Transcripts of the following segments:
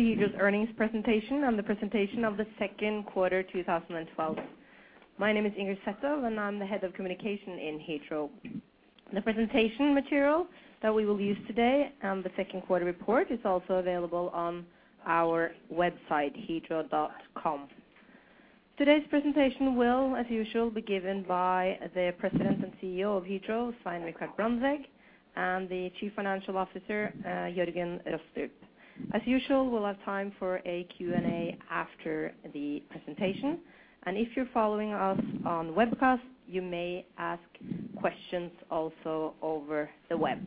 To Hydro's earnings presentation and the presentation of the second quarter 2012. My name is Inger Sethov, and I'm the Head of Communication in Hydro. The presentation material that we will use today, the second quarter report, is also available on our website, hydro.com. Today's presentation will, as usual, be given by the President and CEO of Hydro, Svein Richard Brandtzæg, and the Chief Financial Officer, Jørgen Rostrup. As usual, we'll have time for a Q&A after the presentation, and if you're following us on webcast, you may ask questions also over the web.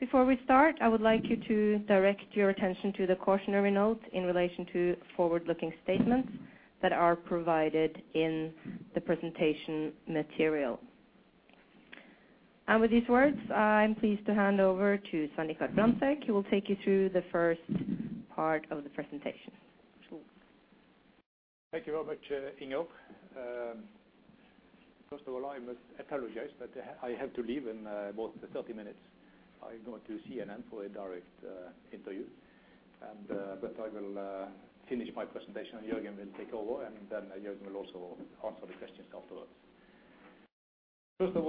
Before we start, I would like you to direct your attention to the cautionary note in relation to forward-looking statements that are provided in the presentation material. With these words, I'm pleased to hand over to Svein Richard Brandtzæg, who will take you through the first part of the presentation. Sure. Thank you very much, Inger. First of all, I must apologize, but I have to leave in about 30 minutes. I'm going to CNN for a direct interview. I will finish my presentation. Jørgen will take over, and then Jørgen will also answer the questions afterwards. First of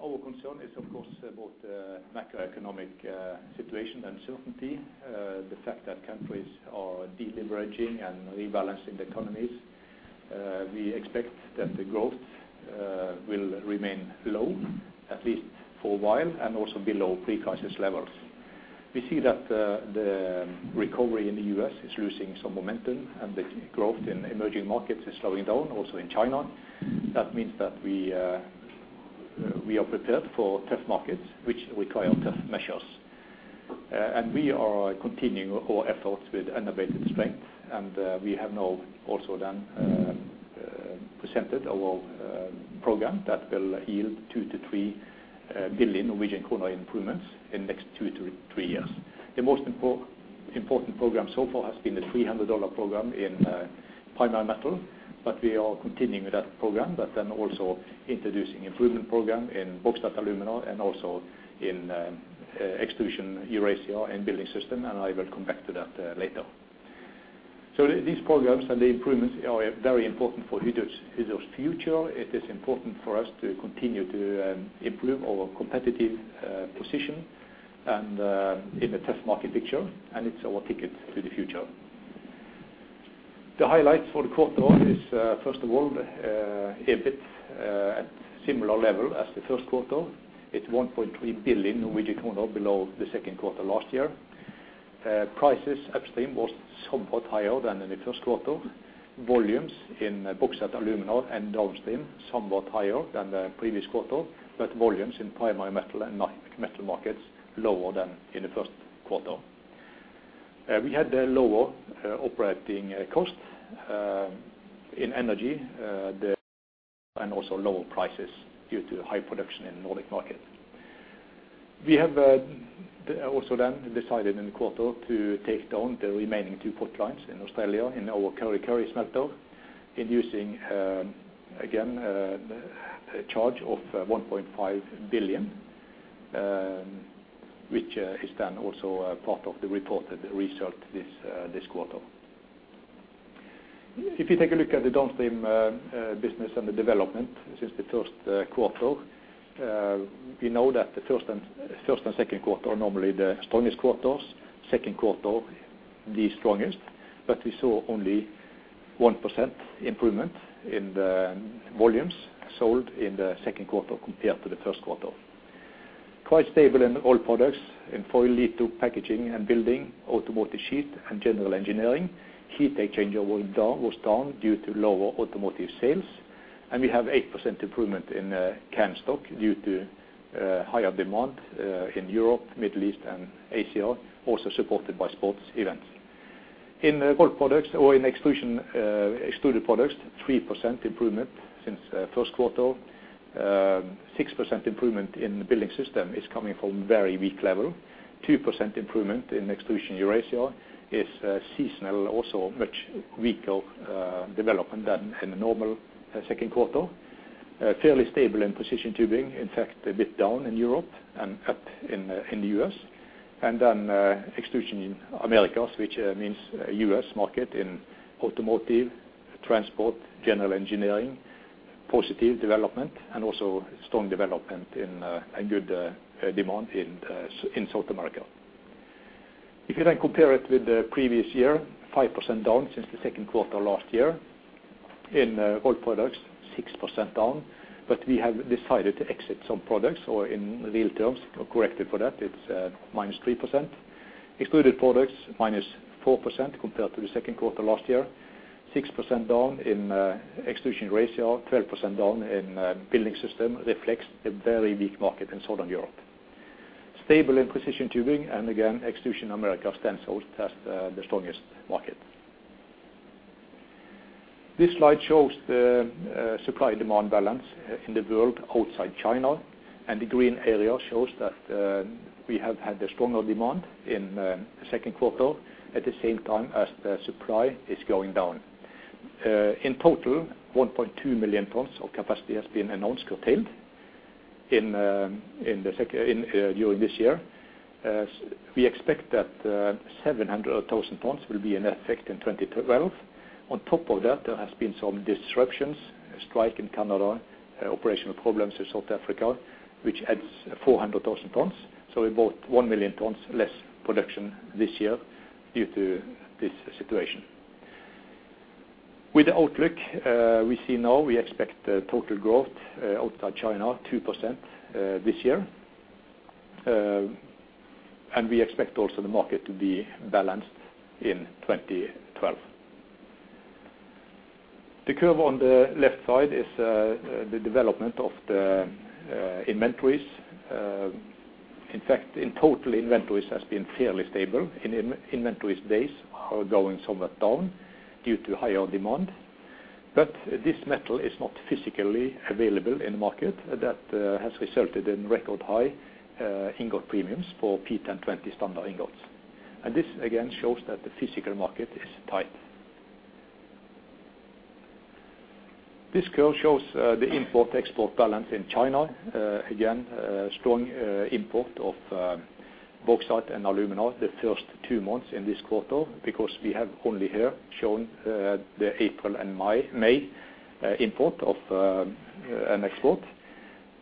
all, our concern is, of course, about macroeconomic situation uncertainty. The fact that countries are deleveraging and rebalancing the economies. We expect that the growth will remain low, at least for a while, and also below pre-crisis levels. We see that the recovery in the U.S. is losing some momentum, and the growth in emerging markets is slowing down, also in China. That means that we are prepared for tough markets, which require tough measures. We are continuing our efforts with innovative strength, and we have now also then presented our program that will yield 2 billion-3 billion Norwegian kroner improvements in the next two to three years. The most important program so far has been the $300 program in primary metal, but we are continuing with that program, but then also introducing improvement program in Bauxite & Alumina and also in Extrusion Eurasia and Building Systems, and I will come back to that later. These programs and the improvements are very important for Hydro's future. It is important for us to continue to improve our competitive position and in the best market picture, and it's our ticket to the future. The highlights for the quarter is first of all EBIT at similar level as the first quarter. It's 1.3 billion Norwegian kroner below the second quarter last year. Prices upstream was somewhat higher than in the first quarter. Volumes in Bauxite & Alumina and downstream somewhat higher than the previous quarter, but volumes in Primary Metal and Metal Markets lower than in the first quarter. We had a lower operating cost in energy and also lower prices due to high production in Nordic market. We have also then decided in the quarter to take down the remaining two pot lines in Australia in our Kurri Kurri smelter, incurring again a charge of 1.5 billion, which is then also a part of the reported result this this quarter. If you take a look at the downstream business and the development since the first quarter, we know that the first and second quarter are normally the strongest quarters, second quarter the strongest, but we saw only 1% improvement in the volumes sold in the second quarter compared to the first quarter. Quite stable in Rolled Products. In foil-lead through packaging and building, automotive sheet and general engineering, heat exchanger was down due to lower automotive sales. We have 8% improvement in canned stock due to higher demand in Europe, Middle East, and Asia, also supported by sports events. In extruded products, 3% improvement since first quarter. 6% improvement in the Building Systems is coming from very weak level. 2% improvement in Extrusion Eurasia is seasonal, also much weaker development than in a normal second quarter. Fairly stable in Precision Tubing, in fact, a bit down in Europe and up in the U.S. Extrusion Americas, which means U.S. market in automotive, transport, general engineering, positive development and also strong development and good demand in South America. If you then compare it with the previous year, 5% down since the second quarter last year. In Rolled Products, 6% down, but we have decided to exit some products or in real terms or corrected for that, it's minus 3%. Extruded Products, minus 4% compared to the second quarter last year. 6% down in Extrusion Eurasia, 12% down in Building Systems, reflects a very weak market in Southern Europe. Stable in Precision Tubing and again, Extrusion Americas stands out as the strongest market. This slide shows the supply and demand balance in the world outside China, and the green area shows that we have had a stronger demand in second quarter at the same time as the supply is going down. In total, 1.2 million tons of capacity has been announced curtailed in during this year. We expect that 700,000 tons will be in effect in 2012. On top of that, there has been some disruptions, a strike in Canada, operational problems in South Africa, which adds 400,000 tons. About 1 million tons less production this year due to this situation. With the outlook we see now, we expect total growth outside China 2% this year. We expect also the market to be balanced in 2012. The curve on the left side is the development of the inventories. In fact, in total inventories has been fairly stable. Inventories days are going somewhat down due to higher demand. This metal is not physically available in the market. That has resulted in record-high ingot premiums for P1020 standard ingots. This again shows that the physical market is tight. This curve shows the import-export balance in China. Again, strong import of bauxite and alumina the first two months in this quarter because we have only here shown the April and May import and export.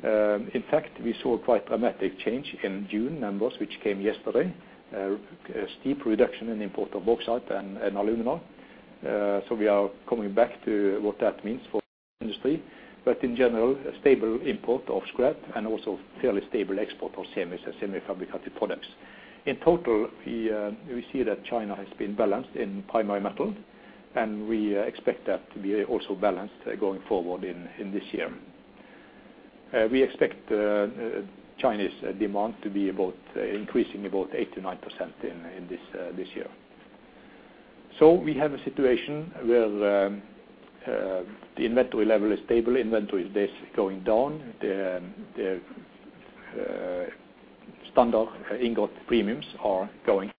In fact, we saw quite dramatic change in June numbers which came yesterday. A steep reduction in import of bauxite and alumina. We are coming back to what that means for industry. In general, a stable import of scrap and also fairly stable export of semi and semi-fabricated products. In total, we see that China has been balanced in primary metal, and we expect that to be also balanced going forward in this year. We expect China's demand to be about increasing about 8%-9% in this year. We have a situation where the inventory level is stable, inventory days going down. The standard ingot premiums are going.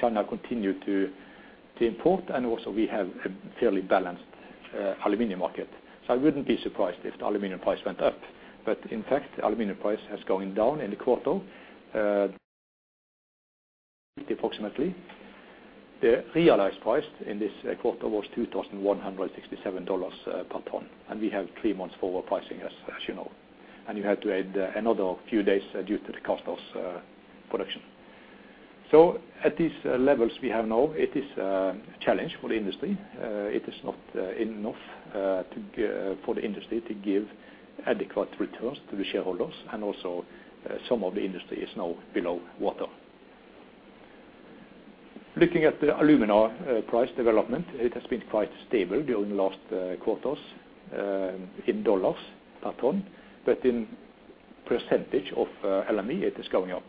China continues to import, and also we have a fairly balanced aluminum market. I wouldn't be surprised if the aluminum price went up. But in fact, the aluminum price has gone down in the quarter, approximately. The realized price in this quarter was $2,167 per ton, and we have three months forward pricing, as you know. You have to add another few days due to the cost of production. At these levels we have now, it is a challenge for the industry. It is not enough for the industry to give adequate returns to the shareholders, and also some of the industry is now below water. Looking at the alumina price development, it has been quite stable during last quarters, in dollars per ton, but in percentage of LME, it is going up.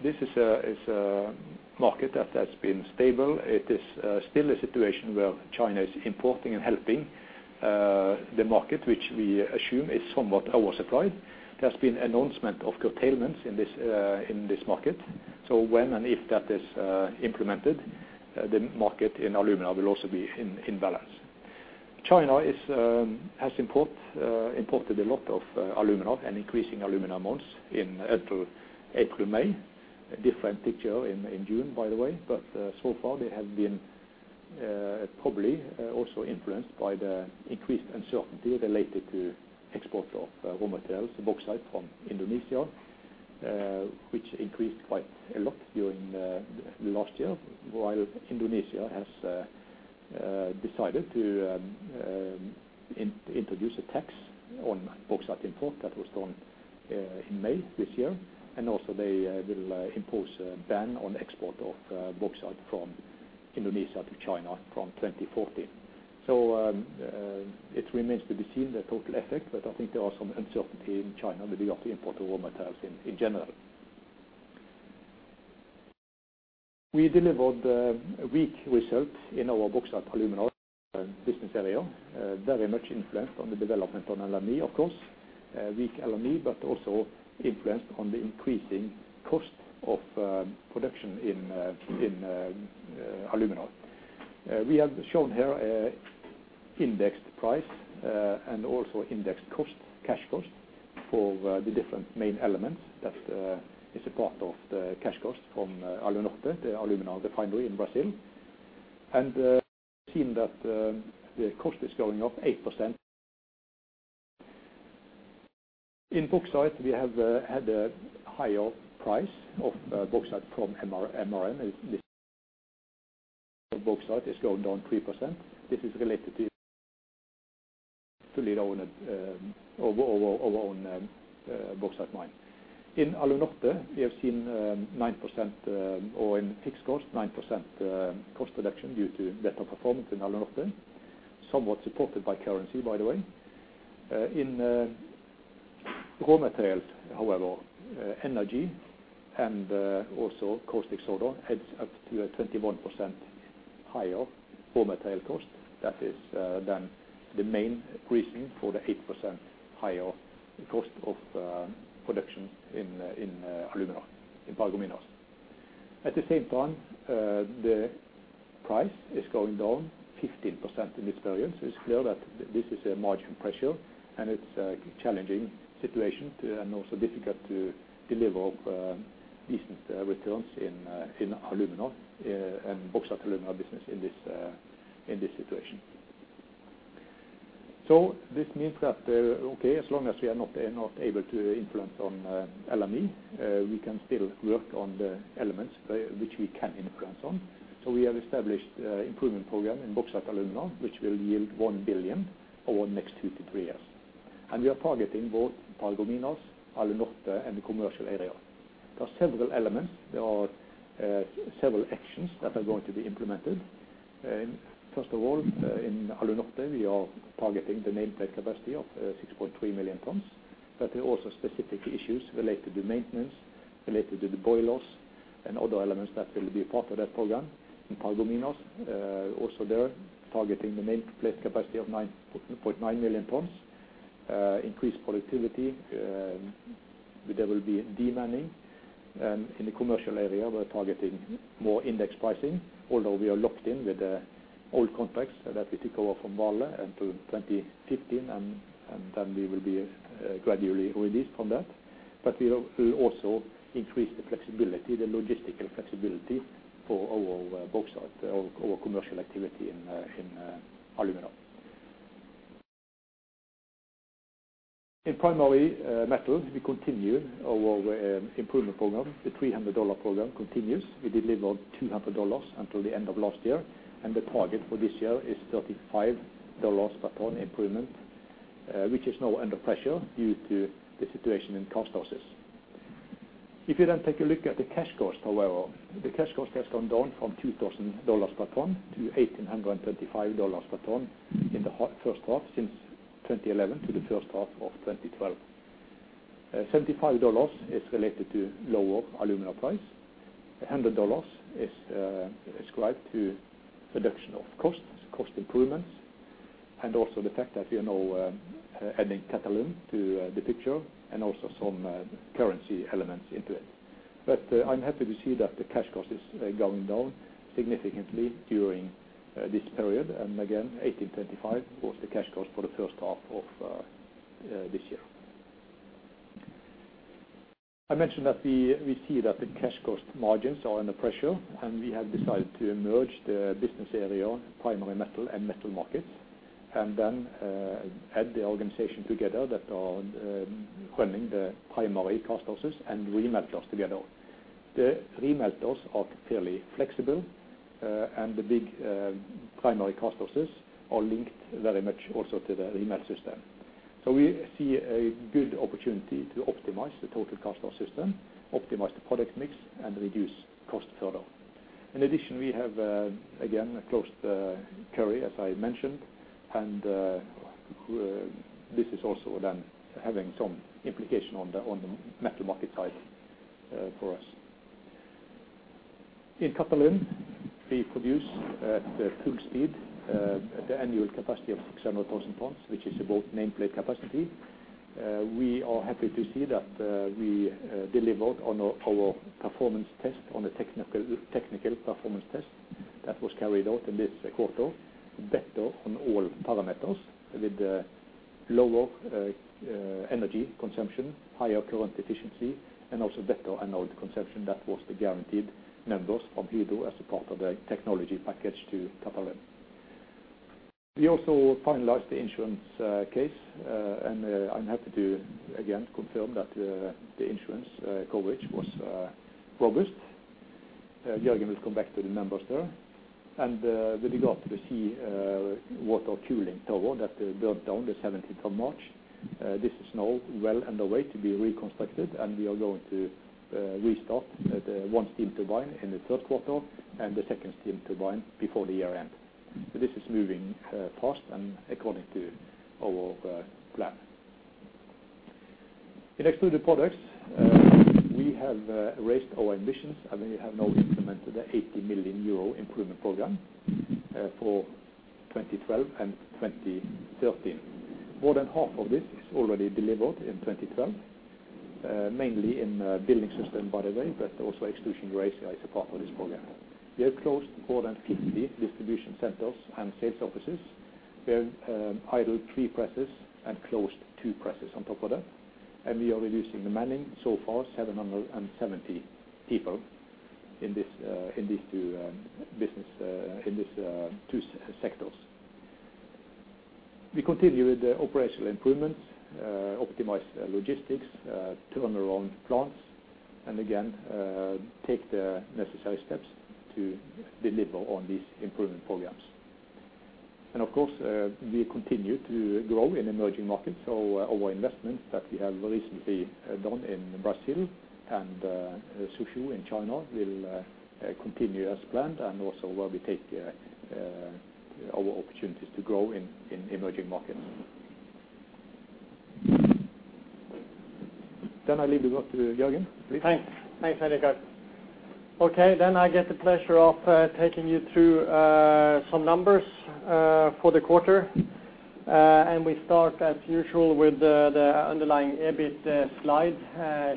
This is a market that has been stable. It is still a situation where China is importing and helping the market, which we assume is somewhat oversupplied. There's been announcement of curtailments in this market. When and if that is implemented, the market in alumina will also be in balance. China has imported a lot of alumina and increasing alumina amounts in April, May. A different picture in June, by the way. So far it has been probably also influenced by the increased uncertainty related to export of raw materials, bauxite from Indonesia, which increased quite a lot during last year. While Indonesia has decided to introduce a tax on bauxite import, that was done in May this year. Also they will impose a ban on export of bauxite from Indonesia to China from 2014. It remains to be seen the total effect, but I think there are some uncertainty in China with regard to import of raw materials in general. We delivered a weak result in our Bauxite & Alumina business area, very much influenced on the development on LME, of course. Weak LME, but also influenced on the increasing cost of production in alumina. We have shown here indexed price and also indexed cost, cash cost for the different main elements that is a part of the cash cost from Alunorte, the alumina refinery in Brazil. Seen that the cost is going up 8%. In bauxite, we have had a higher price of bauxite from MRN. Bauxite has gone down 3%. This is related to fully owned our own bauxite mine. In Alunorte, we have seen 9% or in fixed cost, 9% cost reduction due to better performance in Alunorte, somewhat supported by currency, by the way. In raw materials, however, energy and also caustic soda adds up to a 21% higher raw material cost. That is then the main reason for the 8% higher cost of production in alumina in Paragominas. At the same time, the price is going down 15% in this period, so it's clear that this is a margin pressure, and it's a challenging situation and also difficult to deliver decent returns in alumina and Bauxite & Alumina business in this situation. This means that, okay, as long as we are not able to influence on LME, we can still work on the elements which we can influence on. We have established improvement program in Bauxite & Alumina, which will yield 1 billion over the next two to three years. We are targeting both Mineração Paragominas, Alunorte, and the commercial area. There are several elements. There are several actions that are going to be implemented. First of all, in Alunorte, we are targeting the nameplate capacity of 6.3 million tons, but there are also specific issues related to maintenance, related to the boilers, and other elements that will be a part of that program. In Mineração Paragominas, also there targeting the nameplate capacity of 9.9 million tons, increase productivity, there will be de-manning. In the commercial area, we're targeting more index pricing, although we are locked in with the old contracts that we took over from Vale until 2015, and then we will be gradually released from that. We will also increase the flexibility, the logistical flexibility for our bauxite or commercial activity in alumina. In primary metal, we continue our improvement program. The $300 dollar program continues. We delivered $200 until the end of last year, and the target for this year is $35 per ton improvement, which is now under pressure due to the situation in cast houses. If you then take a look at the cash cost, however, the cash cost has gone down from $2,000 per ton to $1,825 per ton in the first half since 2011 to the first half of 2012. $75 is related to lower alumina price. $100 is ascribed to reduction of costs, cost improvements, and also the fact that we are now adding Qatalum to the picture, and also some currency elements into it. I'm happy to see that the cash cost is going down significantly during this period. Again, $1,825 was the cash cost for the first half of this year. I mentioned that we see that the cash cost margins are under pressure, and we have decided to merge the business area Primary Metal and Metal Markets, and then add the organization together that are running the primary cast houses and remelters together. The remelters are fairly flexible, and the big primary cast houses are linked very much also to the remelter system. We see a good opportunity to optimize the total cast house system, optimize the product mix, and reduce cost further. In addition, we have again closed Kurri Kurri, as I mentioned, and this is also then having some implication on the metal market side for us. In Qatalum, we produce at full speed the annual capacity of 600,000 tons, which is about nameplate capacity. We are happy to see that we delivered on our performance test, on the technical performance test that was carried out in this quarter, better on all parameters with lower energy consumption, higher current efficiency, and also better anode consumption. That was the guaranteed numbers from Hydro as a part of the technology package to Qatalum. We also finalized the insurance case, and I'm happy to again confirm that the insurance coverage was robust. Jørgen will come back to the numbers there. With regard to the sea water cooling tower that burned down the seventeenth of March, this is now well underway to be reconstructed, and we are going to restart the one steam turbine in the third quarter and the second steam turbine before the year end. This is moving fast and according to our plan. In Extruded Products, we have raised our ambitions, and we have now implemented an 80 million euro improvement program for 2012 and 2013. More than half of this is already delivered in 2012, mainly in Building Systems, by the way, but also Extrusion Eurasia is a part of this program. We have closed more than 50 distribution centers and sales offices. We have idled three presses and closed two presses on top of that. We are reducing the manning, so far 770 people in these two sectors. We continue with the operational improvements, optimize logistics, turnaround plants, and again take the necessary steps to deliver on these improvement programs. Of course, we continue to grow in emerging markets. Our investments that we have recently done in Brazil and Suzhou in China will continue as planned, and also where we take our opportunities to grow in emerging markets. I leave it up to Jørgen, please. Thanks, Svein Richard. Okay, I get the pleasure of taking you through some numbers for the quarter. We start as usual with the underlying EBIT slide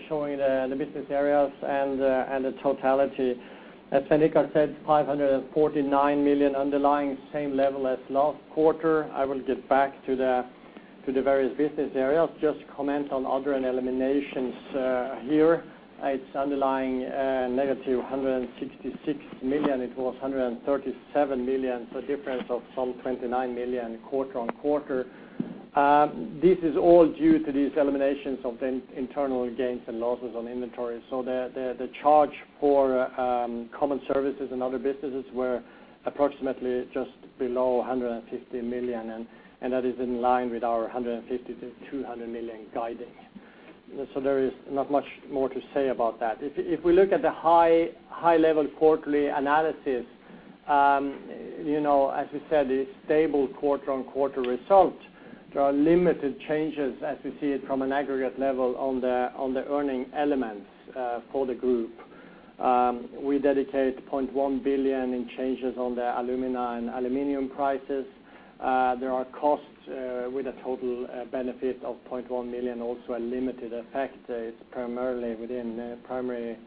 showing the business areas and the totality. As Svein Richard said, 549 million underlying same level as last quarter. I will get back to the various business areas. Just comment on other and eliminations here. It's underlying -166 million. It was 137 million, so a difference of some 29 million quarter-on-quarter. This is all due to these eliminations of the internal gains and losses on inventory. The charge for common services and other businesses were approximately just below 150 million, and that is in line with our 150 million- 200 million guidance. There is not much more to say about that. If we look at the high level quarterly analysis, you know, as we said, a stable quarter-on-quarter result. There are limited changes as we see it from an aggregate level on the earnings elements for the group. We had 0.1 billion in changes on the alumina and aluminum prices. There are costs with a total benefit of 0.1 million, also a limited effect. It's primarily within Primary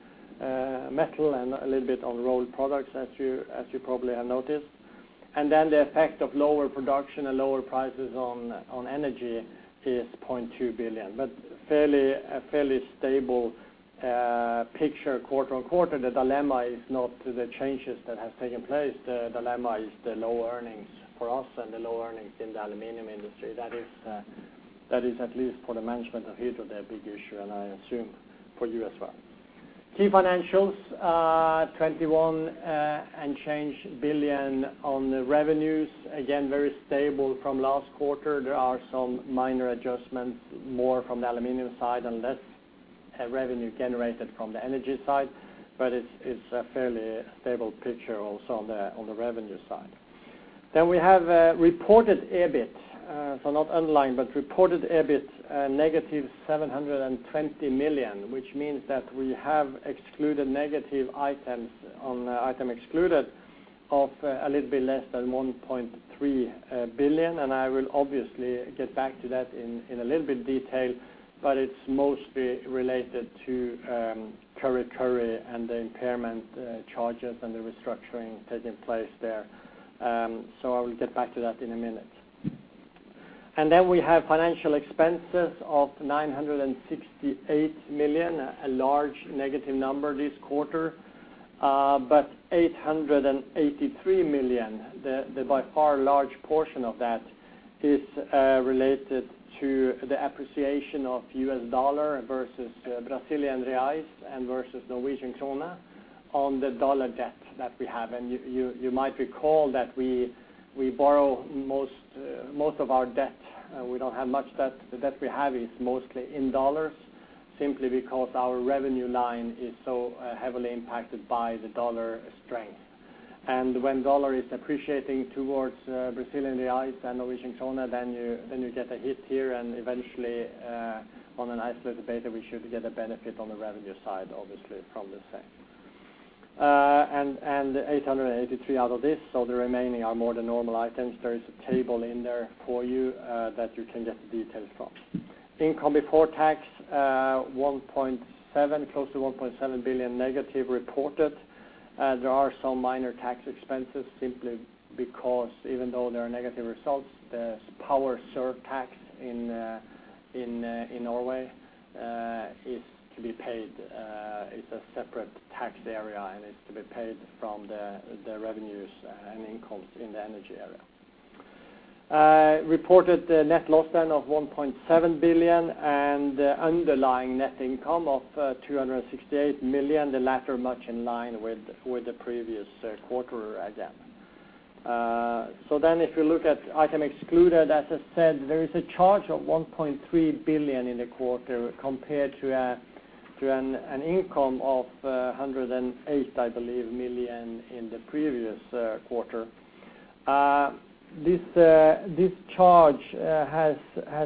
Metal and a little bit on Rolled Products, as you probably have noticed. The effect of lower production and lower prices on energy is 0.2 billion, but a fairly stable picture quarter-on-quarter. The dilemma is not the changes that have taken place. The dilemma is the low earnings for us and the low earnings in the aluminum industry. That is at least for the management of Hydro, the big issue, and I assume for you as well. Key financials, 21 and change billion on the revenues. Again, very stable from last quarter. There are some minor adjustments, more from the aluminum side and less revenue generated from the energy side, but it's a fairly stable picture, also on the revenue side. We have reported EBIT, so not underlying, but reported EBIT, -720 million, which means that we have excluded negative items and items excluded of a little bit less than 1.3 billion. I will obviously get back to that in a little bit detail, but it's mostly related to Kurri Kurri and the impairment charges and the restructuring taking place there. I will get back to that in a minute. We have financial expenses of 968 million, a large negative number this quarter, but 883 million, the by far large portion of that is related to the appreciation of U.S. dollar versus Brazilian reais and versus Norwegian krone on the dollar debt that we have. You might recall that we borrow most of our debt. We don't have much debt. The debt we have is mostly in dollars simply because our revenue line is so heavily impacted by the dollar strength. When dollar is appreciating towards Brazilian reais and Norwegian krone, then you get a hit here, and eventually on a nice little beta, we should get a benefit on the revenue side, obviously, from the same. 883 out of this, so the remaining are more the normal items. There is a table in there for you that you can get the details from. Income before tax 1.7 billion, close to 1.7 billion, negative reported. There are some minor tax expenses simply because even though there are negative results, the power surtax in Norway is to be paid. It's a separate tax area, and it's to be paid from the revenues and incomes in the energy area. Reported net loss of 1.7 billion and underlying net income of 268 million, the latter much in line with the previous quarter again. If you look at excluded items, as I said, there is a charge of 1.3 billion in the quarter compared to an income of 108 million, I believe, in the previous quarter. This charge has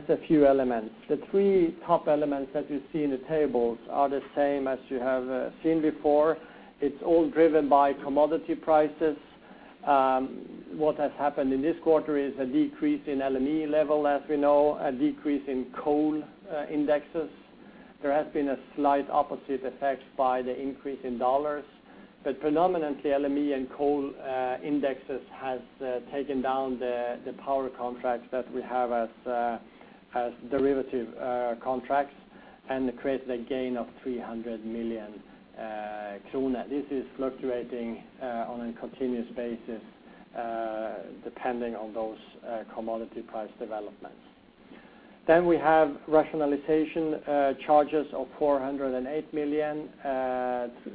a few elements. The three top elements that you see in the tables are the same as you have seen before. It's all driven by commodity prices. What has happened in this quarter is a decrease in LME level, as we know, a decrease in coal indexes. There has been a slight opposite effect by the increase in dollars. Predominantly, LME and coal indexes have taken down the power contracts that we have as derivative contracts and created a gain of 300 million kroner. This is fluctuating on a continuous basis depending on those commodity price developments. We have rationalization charges of 408 million.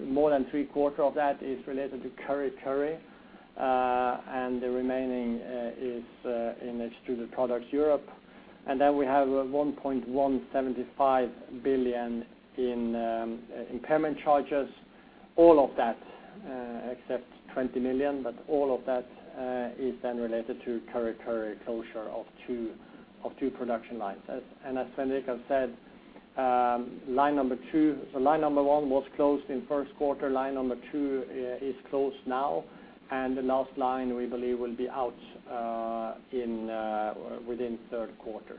More than 3/4 of that is related to Kurri Kurri, and the remaining is in Extruded Products Europe. We have 1.175 billion in impairment charges. All of that except 20 million, but all of that is then related to Kurri Kurri closure of two production lines. As Svein Richard has said, line number two, so line number one was closed in first quarter. Line number two is closed now. The last line we believe will be out within third quarter.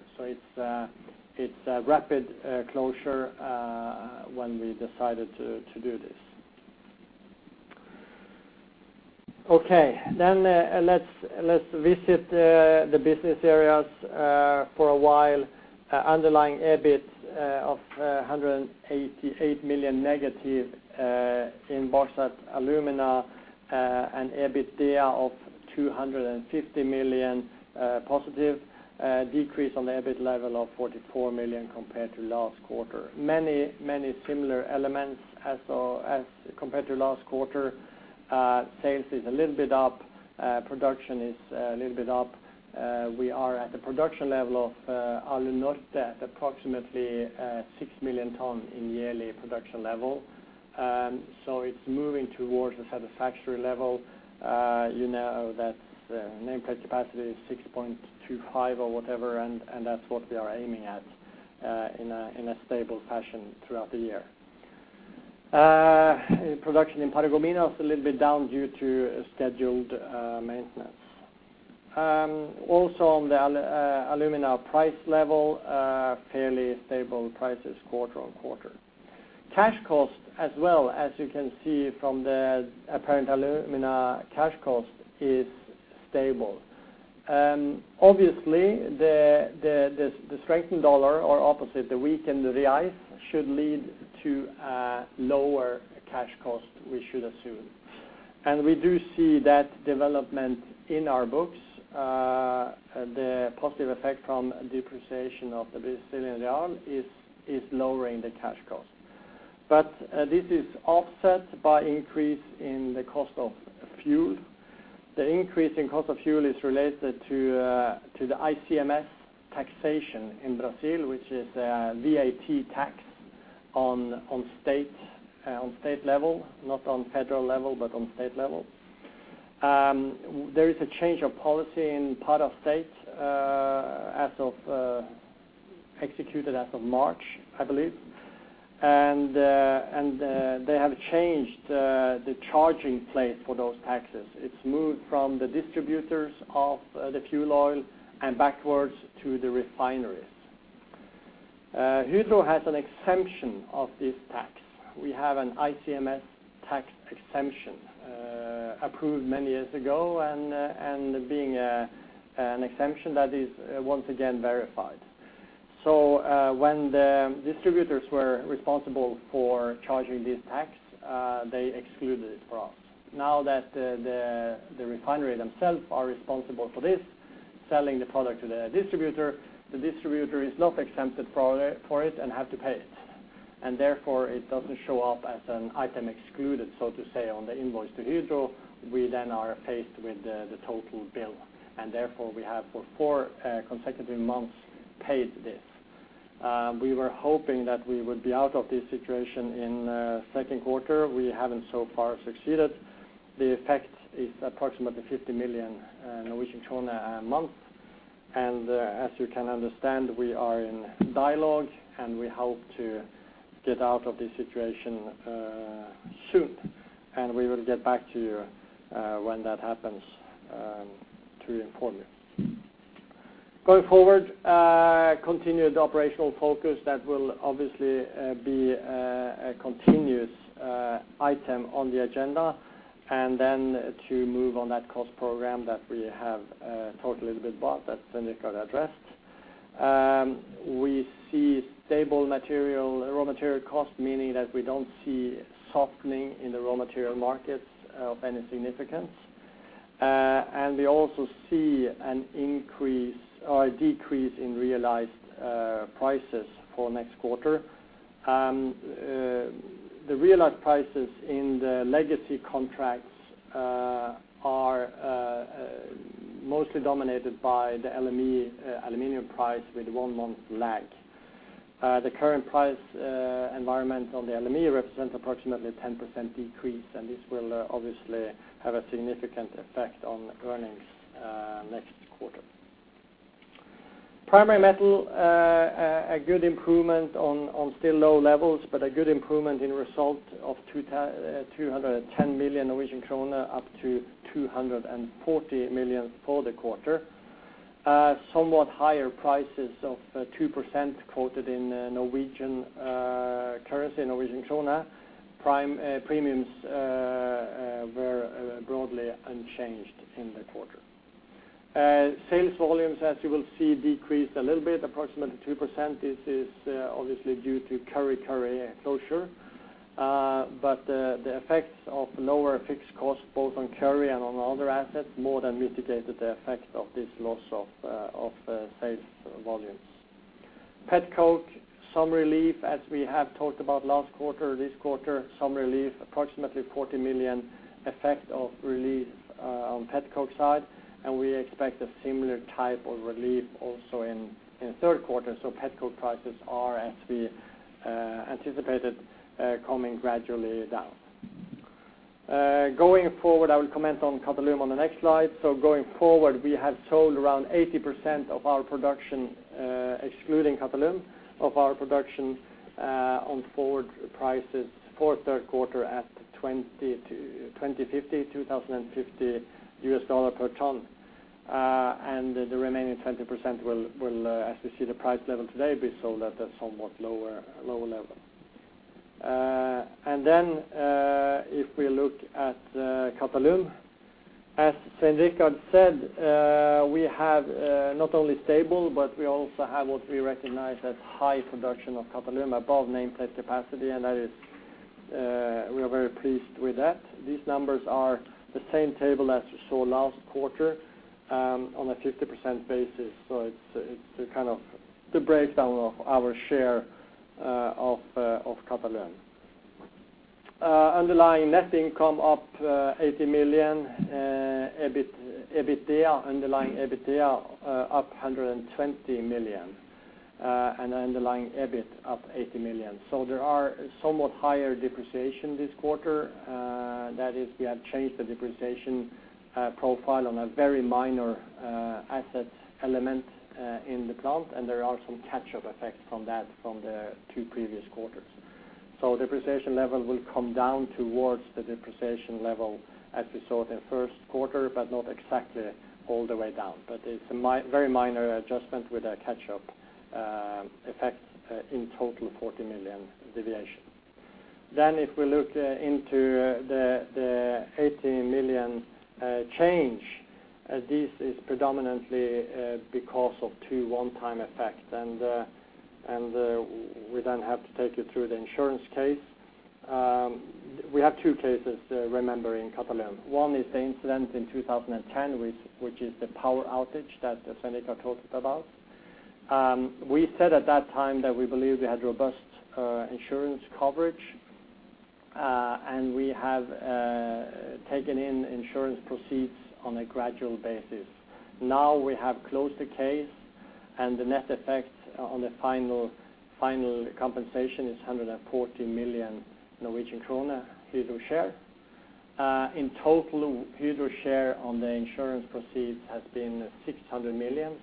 It's a rapid closure when we decided to do this. Let's visit the business areas for a while. Underlying EBIT of -188 million in Bauxite & Alumina and EBITDA of 250 million positive. Decrease on the EBIT level of 44 million compared to last quarter. Many similar elements as compared to last quarter. Sales is a little bit up, production is a little bit up. We are at the production level of Alunorte at approximately 6 million ton in yearly production level. It's moving towards a satisfactory level. You know that nameplate capacity is 6.25 million ton or whatever and that's what we are aiming at in a stable fashion throughout the year. Production in Paragominas a little bit down due to a scheduled maintenance. Also on the alumina price level, fairly stable prices quarter-on-quarter. Cash cost as well, as you can see from the apparent alumina cash cost, is stable. Obviously the strengthened dollar or opposite the weakened real should lead to lower cash cost we should assume. We do see that development in our books. The positive effect from depreciation of the Brazilian real is lowering the cash cost. This is offset by increase in the cost of fuel. The increase in cost of fuel is related to the ICMS taxation in Brazil, which is a VAT tax on state level, not on federal level, but on state level. There is a change of policy on the part of the state, effective as of March, I believe. They have changed the charging place for those taxes. It's moved from the distributors of the fuel oil and backwards to the refineries. Hydro has an exemption of this tax. We have an ICMS tax exemption approved many years ago and being an exemption that is once again verified. When the distributors were responsible for charging this tax, they excluded it for us. Now, that the refinery themselves are responsible for this, selling the product to the distributor, the distributor is not exempted from it and have to pay it. Therefore it doesn't show up as an item excluded, so to speak, on the invoice to Hydro. We then are faced with the total bill. Therefore we have for four consecutive months paid this. We were hoping that we would be out of this situation in second quarter. We haven't so far succeeded. The effect is approximately 50 million Norwegian krone a month. As you can understand, we are in dialogue, and we hope to get out of this situation soon. We will get back to you when that happens to inform you. Going forward, continued operational focus that will obviously be a continuous item on the agenda. To move on that cost program that we have talked a little bit about, that Svein Richard addressed. We see stable material, raw material cost, meaning that we don't see softening in the raw material markets of any significance. We also see an increase or a decrease in realized prices for next quarter. The realized prices in the legacy contracts are mostly dominated by the LME aluminum price with one month lag. The current price environment on the LME represents approximately a 10% decrease, and this will obviously have a significant effect on earnings next quarter. Primary metal, a good improvement on still low levels, but a good improvement in result of 210 million Norwegian krone, up to 240 million for the quarter. Somewhat higher prices of 2% quoted in Norwegian currency, Norwegian krone. Primary premiums were broadly unchanged in the quarter. Sales volumes as you will see decreased a little bit, approximately 2%. This is obviously due to Kurri Kurri closure. The effects of lower fixed costs both on Kurri and on other assets more than mitigated the effect of this loss of sales volumes. Petcoke, some relief as we have talked about last quarter, this quarter, some relief, approximately 40 million effect of relief on petcoke side. We expect a similar type of relief also in the third quarter. Petcoke prices are, as we anticipated, coming gradually down. Going forward, I will comment on Qatalum on the next slide. Going forward, we have sold around 80% of our production, excluding Qatalum, on forward prices for third quarter at $2,050 per ton. The remaining 20% will, as you see the price level today, be sold at a somewhat lower level. If we look at Qatalum, as Svein Richard said, we have not only stable, but we also have what we recognize as high production of Qatalum above nameplate capacity, and that is, we are very pleased with that. These numbers are the same table as you saw last quarter, on a 50% basis. It's the breakdown of our share of Qatalum. Underlying net income up 80 million, underlying EBITDA up 120 million, and underlying EBIT up 80 million. There are somewhat higher depreciation this quarter. That is we have changed the depreciation profile on a very minor asset element in the plant, and there are some catch-up effects from that from the two previous quarters. Depreciation level will come down towards the depreciation level as we saw it in first quarter, but not exactly all the way down. It's a very minor adjustment with a catch-up effect in total 40 million deviation. If we look into the 80 million change, this is predominantly because of two one-time effect. We then have to take you through the insurance case. We have two cases, remember in Qatalum. One is the incident in 2010, which is the power outage that Svein Richard talked about. We said at that time that we believe we had robust insurance coverage, and we have taken in insurance proceeds on a gradual basis. Now, we have closed the case, and the net effect on the final compensation is 140 million Norwegian krone Hydro share. In total, Hydro share on the insurance proceeds has been 600 million,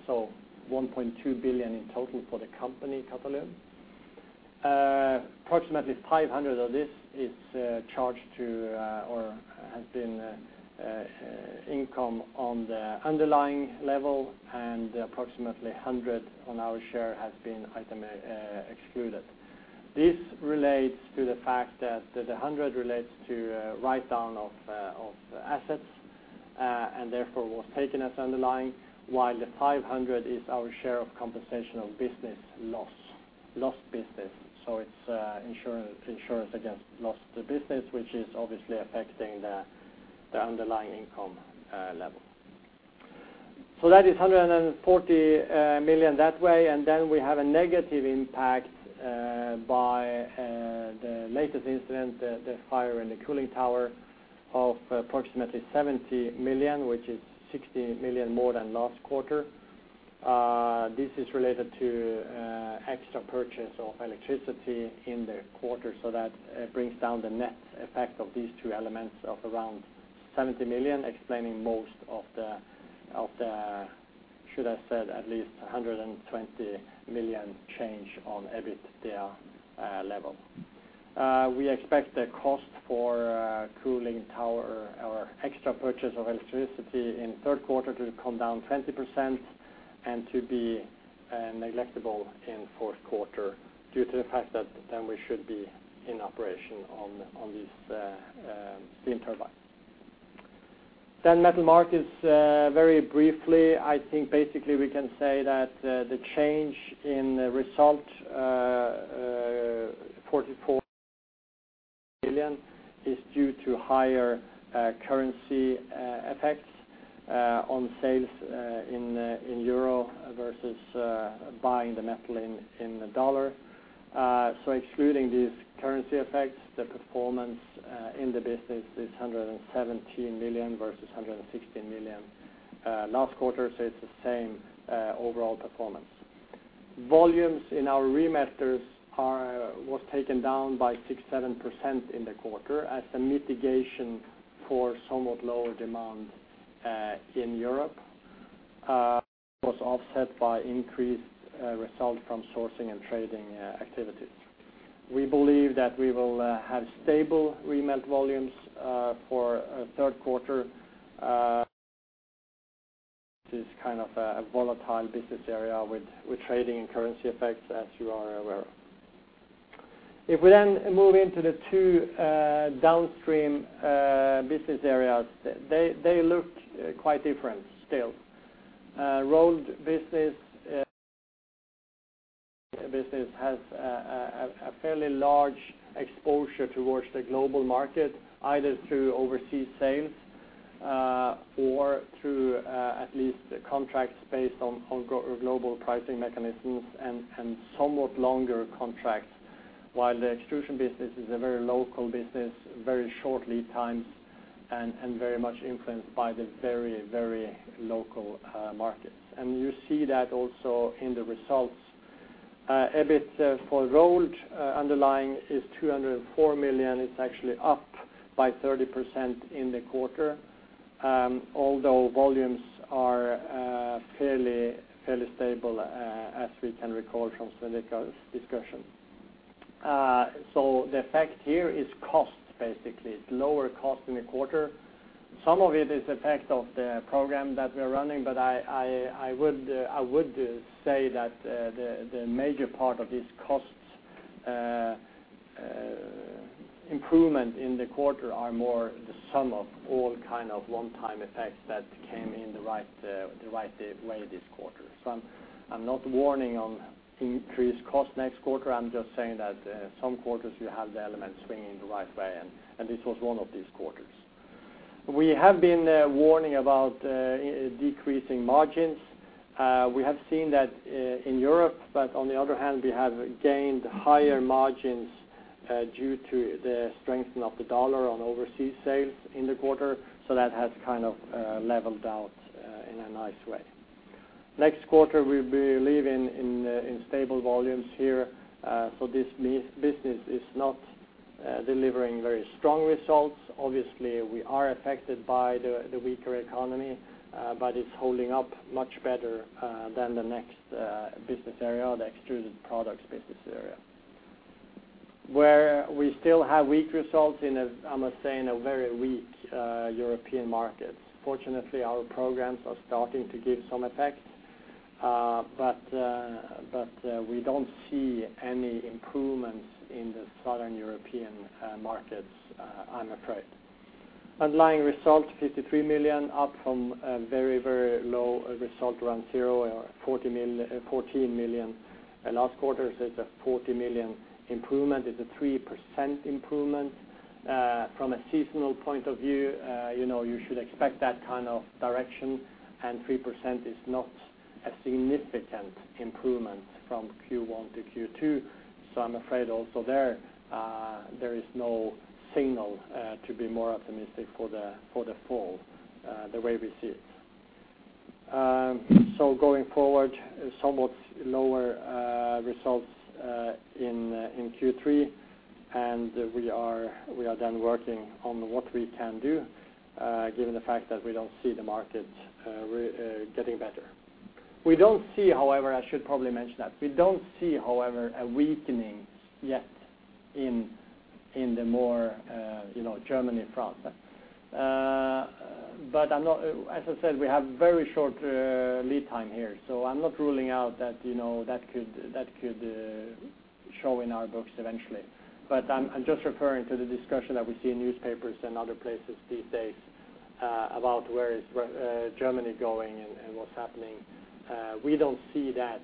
so 1.2 billion in total for the company Qatalum. Approximately 500 of this is charged to or has been income on the underlying level, and approximately 100 on our share has been item excluded. This relates to the fact that the 100 relates to a write-down of assets, and therefore was taken as underlying, while the 500 is our share of compensation of lost business. It's insurance against lost business, which is obviously affecting the underlying income level. That is 140 million that way, and then we have a negative impact by the latest incident, the fire in the cooling tower of approximately 70 million, which is 60 million more than last quarter. This is related to extra purchase of electricity in the quarter, so that brings down the net effect of these two elements of around 70 million, explaining most of the, as I said, at least 120 million change on EBITDA level. We expect the cost for cooling tower or extra purchase of electricity in third quarter to come down 20% and to be negligible in fourth quarter due to the fact that then we should be in operation on these steam turbines. Metal Markets, very briefly, I think basically we can say that the change in the result 44 million is due to higher currency effects on sales in euros versus buying the metal in the dollar. Excluding these currency effects, the performance in the business is 117 million versus 116 million last quarter, so it's the same overall performance. Volumes in our remelters was taken down by 6%-7% in the quarter as a mitigation for somewhat lower demand in Europe was offset by increased result from sourcing and trading activities. We believe that we will have stable remelt volumes for third quarter, which is kind of a volatile business area with trading and currency effects, as you are aware. If we then move into the two downstream business areas, they look quite different still. Rolled business has a fairly large exposure towards the global market, either through overseas sales or through at least contracts based on global pricing mechanisms and somewhat longer contracts, while the extrusion business is a very local business, very short lead times, and very much influenced by the very local markets. You see that also in the results. EBIT for rolled, underlying is 204 million. It's actually up by 30% in the quarter, although volumes are fairly stable, as we can recall from Svein Richard's discussion. So the effect here is cost, basically. It's lower cost in the quarter. Some of it is effect of the program that we're running, but I would say that the major part of this cost improvement in the quarter are more the sum of all kind of one-time effects that came in the right way this quarter. I'm not warning on increased cost next quarter. I'm just saying that some quarters you have the elements swinging the right way, and this was one of these quarters. We have been warning about decreasing margins. We have seen that in Europe, but on the other hand, we have gained higher margins due to the strengthening of the U.S. dollar on overseas sales in the quarter, so that has kind of leveled out in a nice way. Next quarter we believe in stable volumes here, so this business is not delivering very strong results. Obviously, we are affected by the weaker economy, but it's holding up much better than the next business area, the Extruded Products business area. We still have weak results in a, I must say, very weak European market. Fortunately, our programs are starting to give some effect, but we don't see any improvements in the Southern European markets, I'm afraid. Underlying result 53 million, up from a very low result around zero or 14 million. Last quarter it's a 40 million improvement. It's a 3% improvement. From a seasonal point of view, you know, you should expect that kind of direction, and 3% is not a significant improvement from Q1 to Q2, so I'm afraid also there is no signal to be more optimistic for the fall, the way we see it. Going forward, somewhat lower results in Q3, and we are then working on what we can do, given the fact that we don't see the market getting better. We don't see, however, I should probably mention that. We don't see, however, a weakening yet in the more, you know, Germany, France. As I said, we have very short lead time here, so I'm not ruling out that, you know, that could show in our books eventually. I'm just referring to the discussion that we see in newspapers and other places these days about where is Germany going and what's happening. We don't see that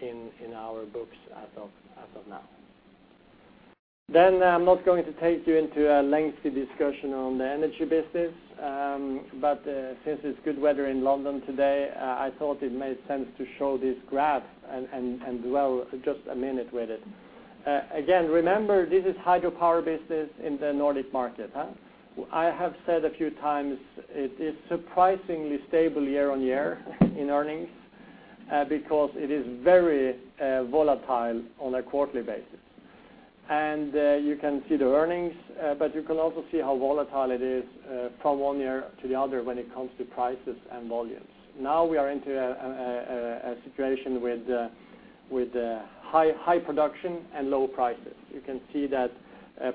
in our books as of now. I'm not going to take you into a lengthy discussion on the energy business, but since it's good weather in London today, I thought it made sense to show this graph and dwell just a minute with it. Again, remember this is hydropower business in the Nordic market. I have said a few times it is surprisingly stable year-on-year in earnings, because it is very volatile on a quarterly basis. You can see the earnings, but you can also see how volatile it is from one year to the other when it comes to prices and volumes. Now, we are into a situation with high production and low prices. You can see that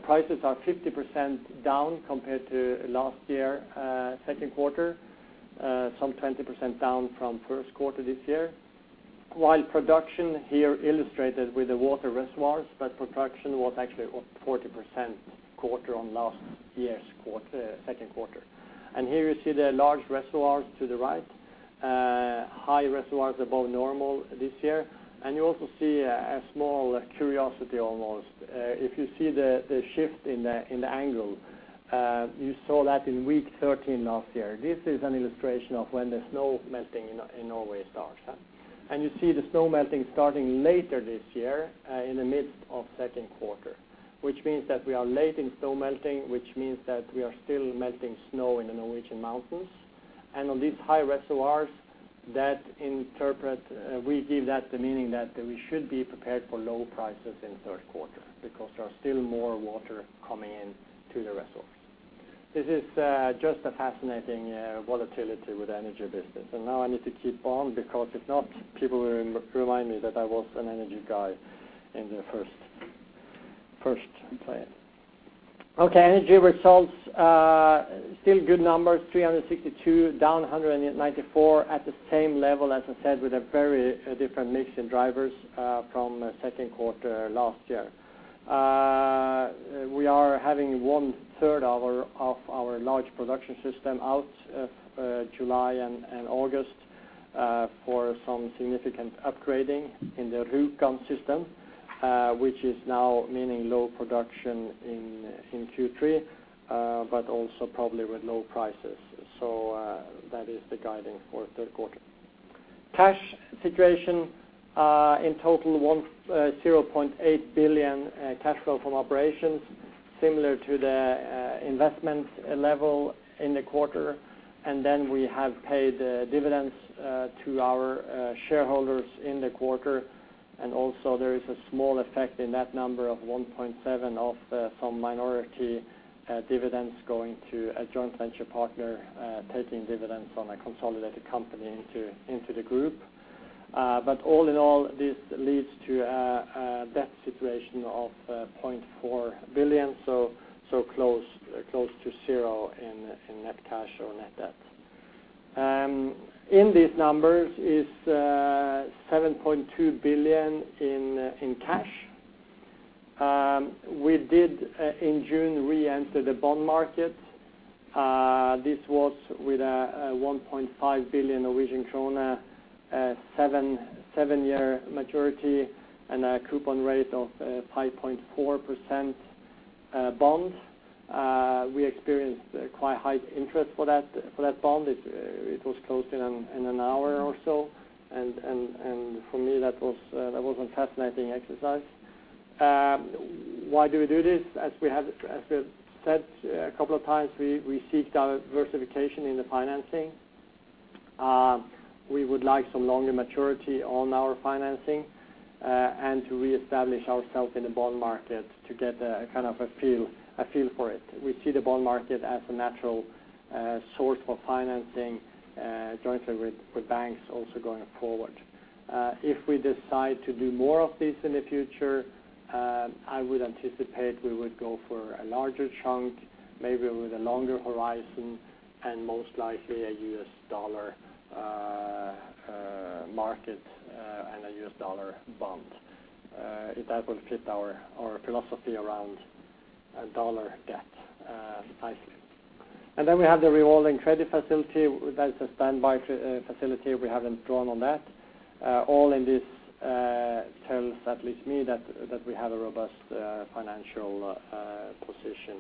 prices are 50% down compared to last year, second quarter. Some 20% down from first quarter this year, while production here illustrated with the water reservoirs, but production was actually up 40% quarter-on-quarter last year’s second quarter. Here you see the large reservoirs to the right, high reservoirs above normal this year. You also see a small curiosity almost. If you see the shift in the angle, you saw that in week 13 last year. This is an illustration of when the snow melting in Norway starts. You see the snow melting starting later this year, in the midst of second quarter, which means that we are late in snow melting, which means that we are still melting snow in the Norwegian mountains. On these high reservoirs that we interpret, we give that the meaning that we should be prepared for low prices in third quarter because there are still more water coming in to the reservoirs. This is just a fascinating volatility in the energy business. Now, I need to keep on because if not, people will remind me that I was an energy guy in the first plan. Okay, energy results, still good numbers, 362, down 194, at the same level as I said, with a very different mix in drivers from second quarter last year. We are having one third of our large production system out July and August for some significant upgrading in the Rjukan system, which is now meaning low production in Q3, but also probably with low prices. That is the guiding for third quarter. Cash situation in total 0.8 billion cash flow from operations. Similar to the investment level in the quarter, and then we have paid dividends to our shareholders in the quarter. Also there is a small effect in that number of 1.7 of some minority dividends going to a joint venture partner taking dividends on a consolidated company into the group. All in all, this leads to a debt situation of 0.4 billion, so close to zero in net cash or net debt. In these numbers is 7.2 billion in cash. We did in June reenter the bond market. This was with 1.5 billion Norwegian krone, seven-year maturity, and a coupon rate of 5.4% bond. We experienced quite high interest for that bond. It was closed in an hour or so. For me, that was a fascinating exercise. Why do we do this? As we have said a couple of times, we seek diversification in the financing. We would like some longer maturity on our financing and to reestablish ourself in the bond market to get a kind of a feel for it. We see the bond market as a natural source for financing jointly with banks also going forward. If we decide to do more of this in the future, I would anticipate we would go for a larger chunk, maybe with a longer horizon, and most likely a U.S. dollar market, and a U.S. dollar bond. That will fit our philosophy around a dollar debt nicely. We have the revolving credit facility. That's a standby facility. We haven't drawn on that. All of this tells at least me that we have a robust financial position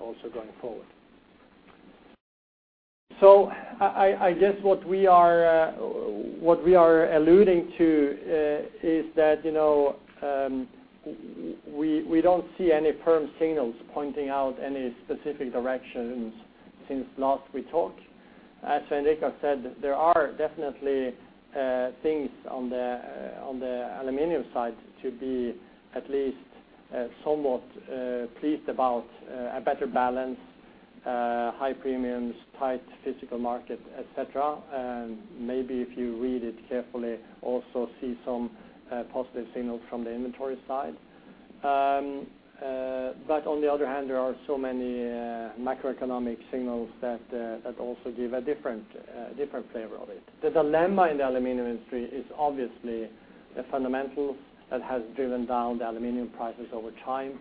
also going forward. I guess what we are alluding to is that, you know, we don't see any firm signals pointing out any specific directions since last we talked. As Svein Richard said, there are definitely things on the aluminum side to be at least somewhat pleased about, a better balance, high premiums, tight physical market, et cetera. Maybe if you read it carefully, also see some positive signals from the inventory side. On the other hand, there are so many macroeconomic signals that also give a different flavor of it. The dilemma in the aluminum industry is obviously a fundamental that has driven down the aluminum prices over time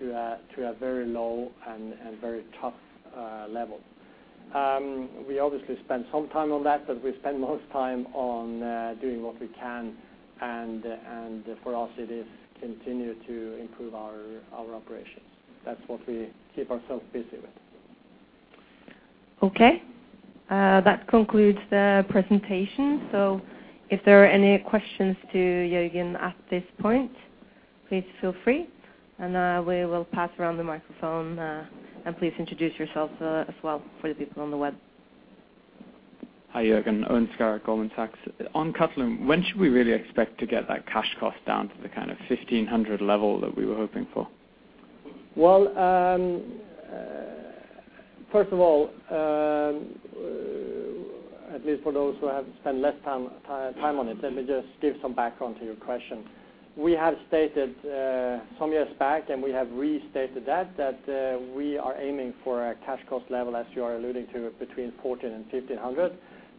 to a very low and very tough level. We obviously spend some time on that, but we spend most time on doing what we can, and for us it is continue to improve our operations. That's what we keep ourselves busy with. Okay. That concludes the presentation. If there are any questions to Jørgen at this point, please feel free, and we will pass around the microphone. Please introduce yourself as well for the people on the web. Hi, Jørgen. Owen Scarrott, Goldman Sachs. On Qatalum, when should we really expect to get that cash cost down to the kind of $1,500 level that we were hoping for? First of all, at least for those who have spent less time on it, let me just give some background to your question. We have stated some years back, and we have restated that we are aiming for a cash cost level, as you are alluding to, between $1.400 and $1,500,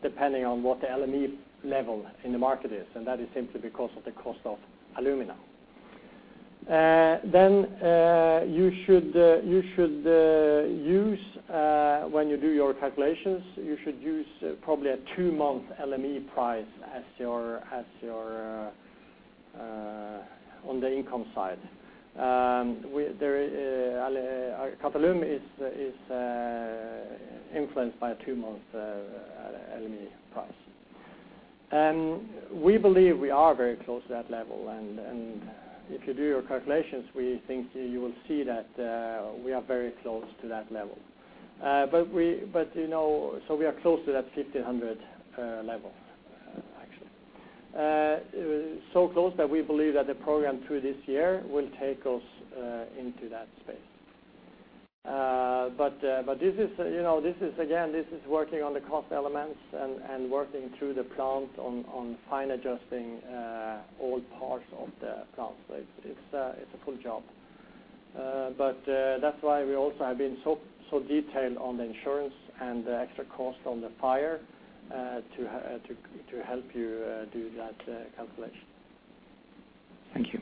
depending on what the LME level in the market is, and that is simply because of the cost of alumina. You should use, when you do your calculations, probably a two-month LME price as your on the income side. Qatalum is influenced by a two-month LME price. We believe we are very close to that level. If you do your calculations, we think you will see that we are very close to that level. But you know, we are close to that $1,500 level actually. So close that we believe that the program through this year will take us into that space. But this is, you know, again working on the cost elements and working through the plant on fine adjusting all parts of the plant. It's a full job. But that's why we also have been so detailed on the insurance and the extra cost on the fire to help you do that calculation. Thank you.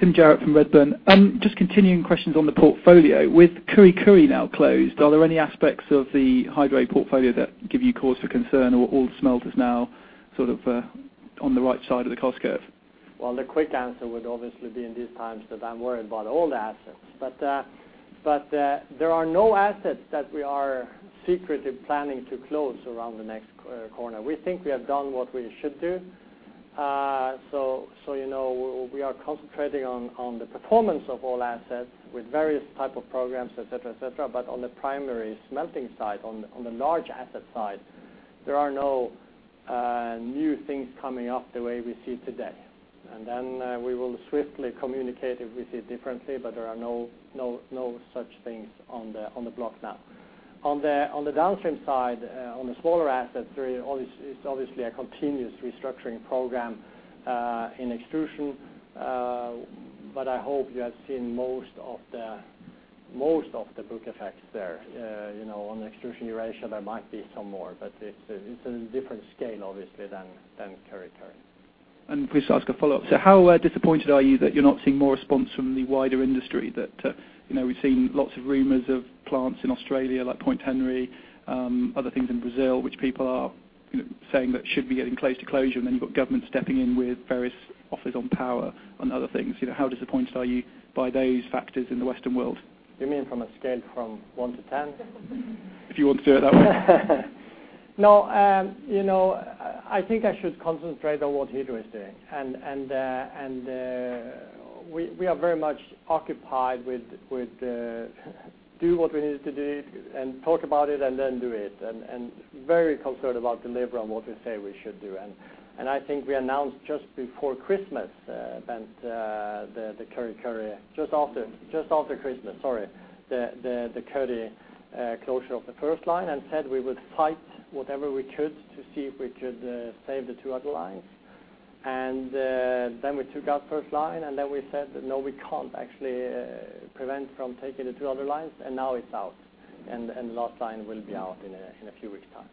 Tim John from Redburn. Just continuing questions on the portfolio. With Kurri Kurri now closed, are there any aspects of the Hydro portfolio that give you cause for concern, or all smelters now sort of on the right side of the cost curve? Well, the quick answer would obviously be in these times that I'm worried about all the assets. There are no assets that we are secretly planning to close around the next corner. We think we have done what we should do. So, you know, we are concentrating on the performance of all assets with various type of programs, et cetera, et cetera. On the primary smelting side, on the large asset side, there are no new things coming up the way we see today. Then, we will swiftly communicate if we see differently, but there are no such things on the block now. On the downstream side, on the smaller assets, there is obviously a continuous restructuring program in extrusion. I hope you have seen most of the book effects there. You know, on Extrusion Eurasia, there might be some more, but it's on a different scale obviously than Kurri Kurri. Please ask a follow-up. How disappointed are you that you're not seeing more response from the wider industry that, you know, we've seen lots of rumors of plants in Australia, like Point Henry, other things in Brazil, which people are, you know, saying that should be getting close to closure, and then you've got government stepping in with various offers on power and other things. You know, how disappointed are you by those factors in the Western world? You mean from a scale from 1-10? If you want to do it that way. No, you know, I think I should concentrate on what Hydro is doing. We are very much occupied with do what we need to do and talk about it and then do it, and very concerned about deliver on what we say we should do. I think we announced just after Christmas, sorry, the Kurri Kurri closure of the first line, and said we would fight whatever we could to see if we could save the two other lines. We took out first line, and then we said, no, we can't actually prevent from taking the two other lines, and now it's out. The last line will be out in a few weeks' time.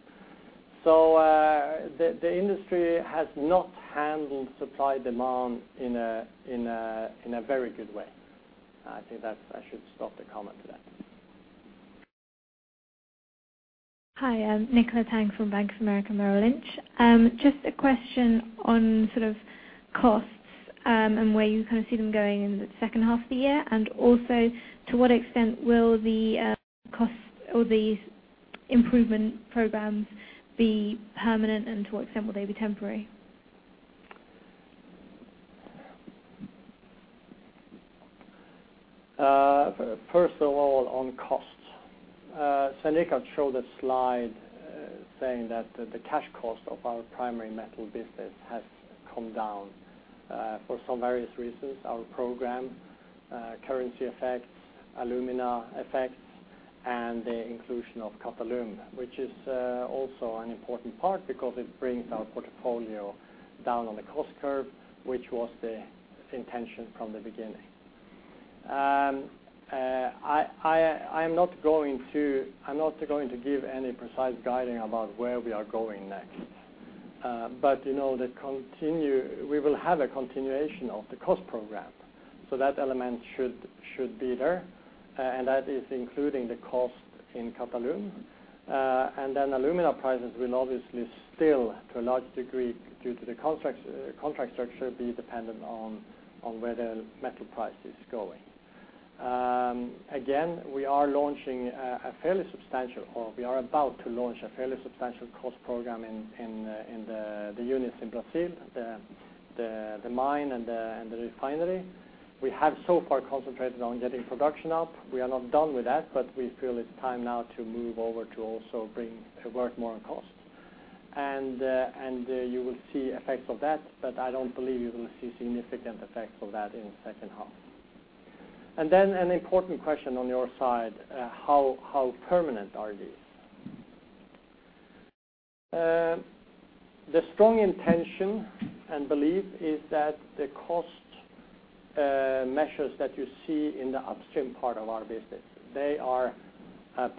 The industry has not handled supply-demand in a very good way. I think that's. I should stop the comment to that. Hi, I'm Nicola Tang from Bank of America Merrill Lynch. Just a question on sort of costs, and where you kind of see them going in the second half of the year. Also, to what extent will the costs or the improvement programs be permanent, and to what extent will they be temporary? First of all, on costs, Svein Richard showed a slide saying that the cash cost of our primary metal business has come down for some various reasons, our program, currency effects, alumina effects, and the inclusion of Qatalum, which is also an important part because it brings our portfolio down on the cost curve, which was the intention from the beginning. I'm not going to give any precise guidance about where we are going next. You know, we will have a continuation of the cost program, so that element should be there, and that is including the cost in Qatalum. Alumina prices will obviously still, to a large degree, due to the contract structure, be dependent on where the metal price is going. Again, we are about to launch a fairly substantial cost program in the units in Brazil, the mine and the refinery. We have so far concentrated on getting production up. We are not done with that, but we feel it's time now to move over to also work more on costs. You will see effects of that, but I don't believe you will see significant effects of that in second half. Then an important question on your side, how permanent are these? The strong intention and belief is that the cost measures that you see in the upstream part of our business, they are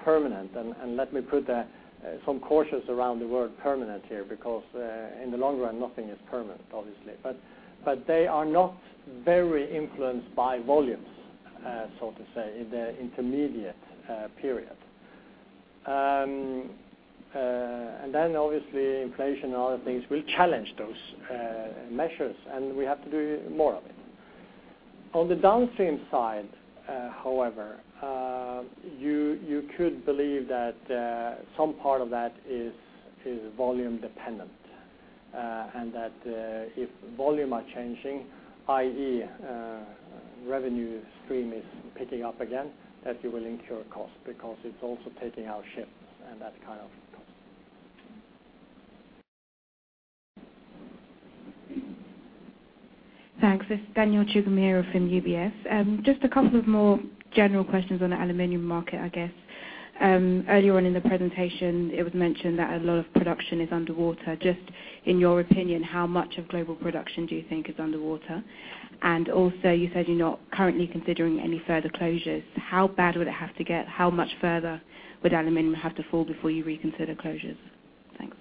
permanent. Let me put some cautions around the word permanent here because in the long run, nothing is permanent, obviously. They are not very influenced by volumes so to say, in the intermediate period. Then obviously inflation and other things will challenge those measures, and we have to do more of it. On the downstream side, however, you could believe that some part of that is volume dependent, and that if volumes are changing, i.e., revenue stream is picking up again, that you will incur cost because it's also taking out ships and that kind of cost. Thanks. This is Danielle Chigumira from UBS. Just a couple of more general questions on the aluminum market, I guess. Earlier on in the presentation, it was mentioned that a lot of production is underwater. Just in your opinion, how much of global production do you think is underwater? And also, you said you're not currently considering any further closures. How bad would it have to get? How much further would aluminum have to fall before you reconsider closures? Thanks.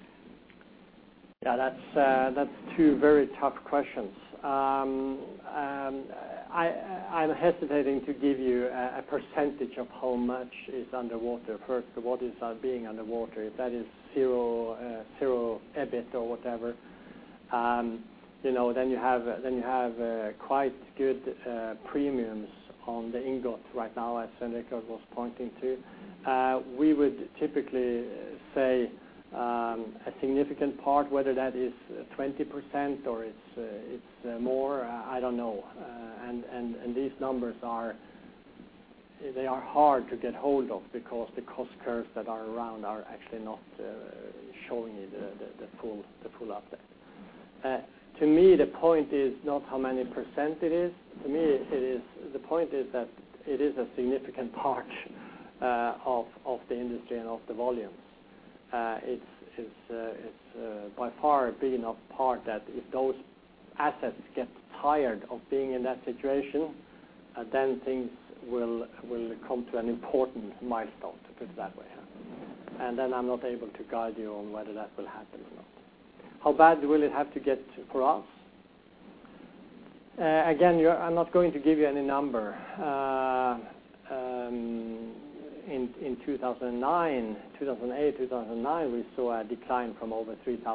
Yeah, that's two very tough questions. I'm hesitating to give you a percentage of how much is underwater. First, what is being underwater? If that is zero EBIT or whatever. You know, then you have quite good premiums on the ingot right now, as Henrik was pointing to. We would typically say a significant part, whether that is 20% or it's more, I don't know. And these numbers are hard to get hold of because the cost curves that are around are actually not showing you the full update. To me, the point is not how many percent it is. To me, the point is that it is a significant part of the industry and of the volumes. It's by far a big enough part that if those assets get tired of being in that situation, then things will come to an important milestone, to put it that way. I'm not able to guide you on whether that will happen or not. How bad will it have to get for us? Again, I'm not going to give you any number. In 2008, 2009, we saw a decline from over $3,000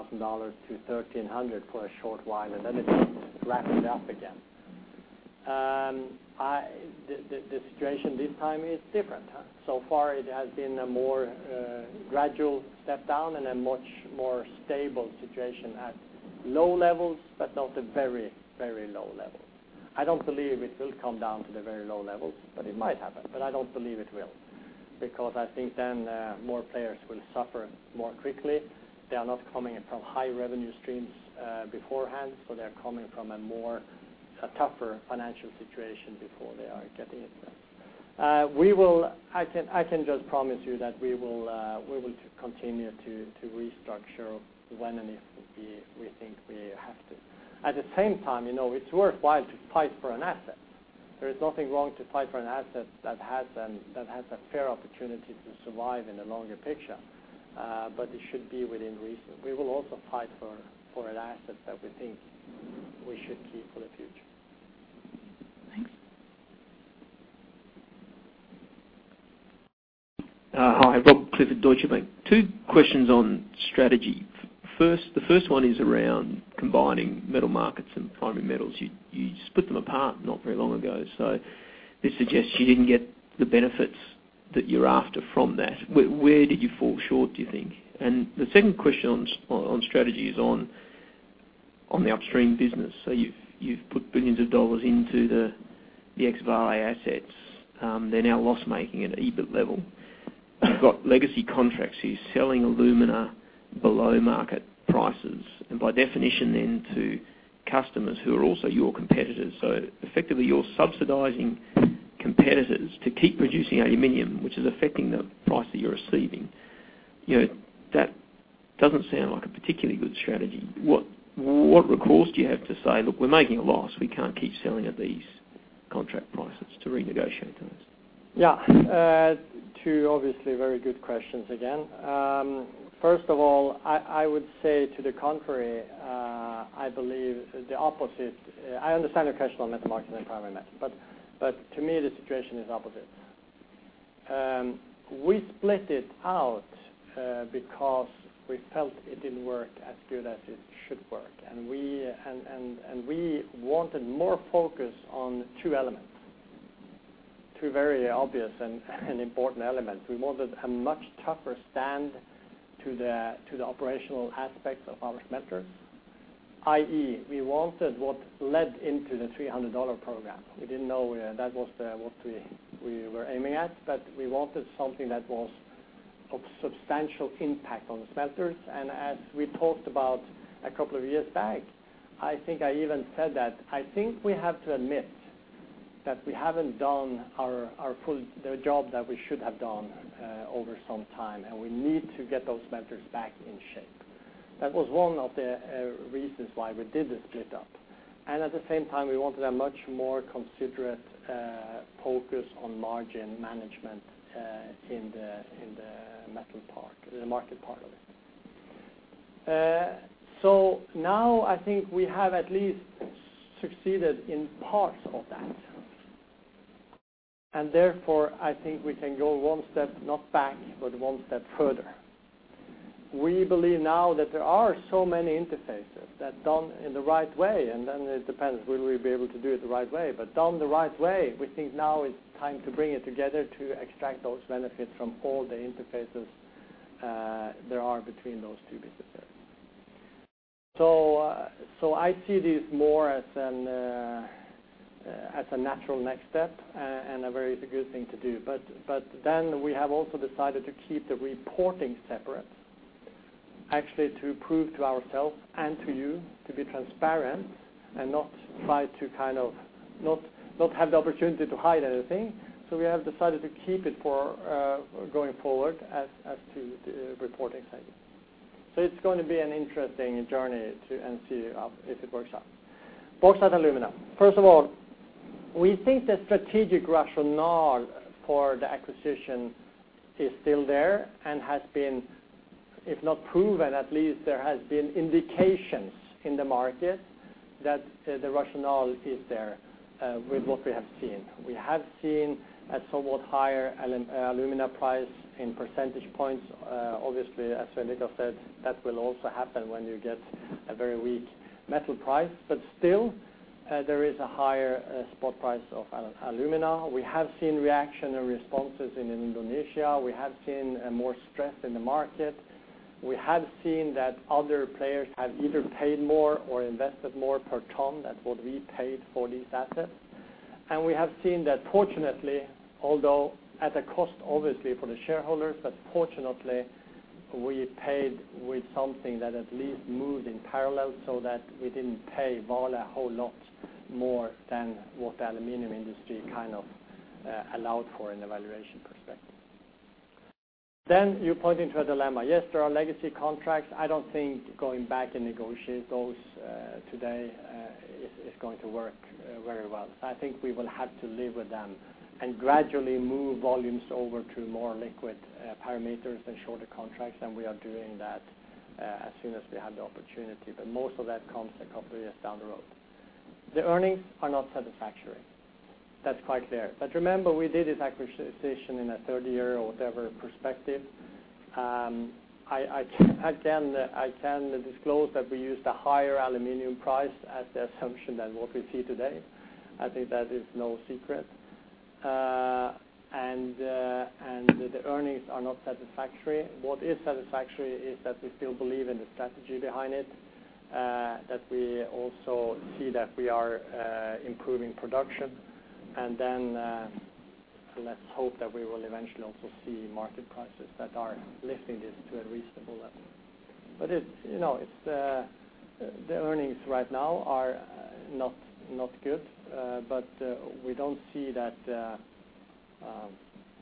to $1,300 for a short while, and then it rapidly up again. The situation this time is different. So far it has been a more gradual step down and a much more stable situation at low levels, but not a very low level. I don't believe it will come down to the very low levels, but it might happen, but I don't believe it will, because I think then more players will suffer more quickly. They are not coming in from high revenue streams beforehand, so they're coming from a tougher financial situation before they are getting into it. I can just promise you that we will continue to restructure when and if we think we have to. At the same time, you know, it's worthwhile to fight for an asset. There is nothing wrong to fight for an asset that has a fair opportunity to survive in the longer picture, but it should be within reason. We will also fight for an asset that we think we should keep for the future. Thanks. Hi. Rob Clifford, Deutsche Bank. Two questions on strategy. First, the first one is around combining Metal Markets and primary metals. You split them apart not very long ago. This suggests you didn't get the benefits that you're after from that. Where did you fall short, do you think? The second question on strategy is on the upstream business. You've put billions of dollars into the X Vale's assets. They're now loss-making at EBIT level. You've got legacy contracts. You're selling alumina below market prices, and by definition then to customers who are also your competitors. Effectively, you're subsidizing competitors to keep producing aluminum, which is affecting the price that you're receiving. You know, that doesn't sound like a particularly good strategy. What recourse do you have to say, "Look, we're making a loss. We can't keep selling at these contract prices" to renegotiate those? Yeah. Two obviously very good questions again. First of all, I would say to the contrary, I believe the opposite. I understand your question on Metal Markets and primary metals, but to me, the situation is opposite. We split it out because we felt it didn't work as good as it should work, and we wanted more focus on two elements, two very obvious and important elements. We wanted a much tougher stand to the operational aspects of our smelters, i.e., we wanted what led into the $300 program. We didn't know what we were aiming at, but we wanted something that was of substantial impact on the smelters. As we talked about a couple of years back, I think I even said that I think we have to admit that we haven't done our full job that we should have done over some time, and we need to get those smelters back in shape. That was one of the reasons why we did the split up. At the same time, we wanted a much more considerate focus on margin management in the metal part, the market part of it. Now I think we have at least succeeded in parts of that. Therefore, I think we can go one step, not back, but one step further. We believe now that there are so many interfaces that done in the right way, and then it depends, will we be able to do it the right way? Done the right way, we think now is time to bring it together to extract those benefits from all the interfaces there are between those two businesses. I see this more as a natural next step and a very good thing to do. Then we have also decided to keep the reporting separate, actually to prove to ourselves and to you to be transparent and not try to kind of not have the opportunity to hide anything. We have decided to keep it for going forward as to the reporting side. It's going to be an interesting journey to see if it works out. Bauxite & Alumina. First of all, we think the strategic rationale for the acquisition is still there and has been, if not proven, at least there has been indications in the market. That, the rationale is there, with what we have seen. We have seen a somewhat higher alumina price in percentage points. Obviously, as Svein Richard said, that will also happen when you get a very weak metal price. But still, there is a higher spot price of alumina. We have seen reaction and responses in Indonesia. We have seen more stress in the market. We have seen that other players have either paid more or invested more per ton than what we paid for these assets. We have seen that fortunately, although at a cost obviously for the shareholders, but fortunately, we paid with something that at least moved in parallel so that we didn't pay a whole lot more than what the aluminum industry kind of allowed for in a valuation perspective. You're pointing to a dilemma. Yes, there are legacy contracts. I don't think going back and negotiate those today is going to work very well. I think we will have to live with them and gradually move volumes over to more liquid parameters and shorter contracts, and we are doing that as soon as we have the opportunity. Most of that comes a couple of years down the road. The earnings are not satisfactory. That's quite clear. Remember, we did this acquisition in a third year or whatever perspective. I can disclose that we used a higher aluminum price as the assumption than what we see today. I think that is no secret. The earnings are not satisfactory. What is satisfactory is that we still believe in the strategy behind it, that we also see that we are improving production. Then, let's hope that we will eventually also see market prices that are lifting this to a reasonable level. It's, you know, the earnings right now are not good, but we don't see that.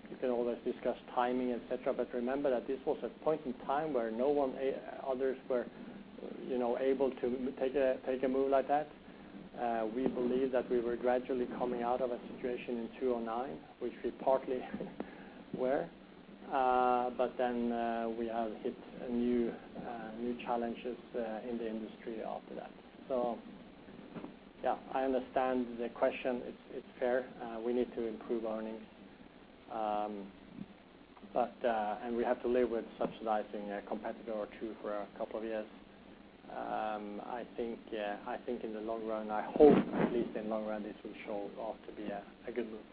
You can always discuss timing, et cetera, but remember that this was a point in time where others were, you know, able to take a move like that. We believe that we were gradually coming out of a situation in 2009, which we partly were. We have hit a new challenges in the industry after that. Yeah, I understand the question. It's fair. We need to improve earnings. We have to live with subsidizing a competitor or two for a couple of years. I think in the long run, I hope at least in the long run, this will pay off to be a good move.